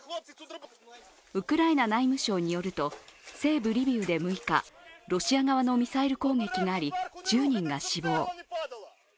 ウクライナ内務省によりますと西部リビウで６日ロシア側のミサイル攻撃により１０人が死亡。